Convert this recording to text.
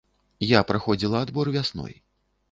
Я праходзіла адбор вясной.